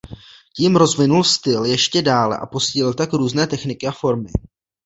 Tím rozvinul styl ještě dále a posílil tak různé techniky a formy.